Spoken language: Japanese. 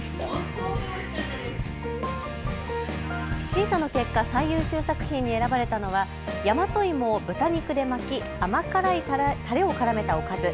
審査の結果、最優秀作品に選ばれたのはやまといもを豚肉で巻き甘辛いタレを絡めたおかず。